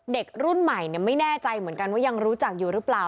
เด็กรุ่นใหม่ไม่แน่ใจเหมือนกันว่ายังรู้จักอยู่หรือเปล่า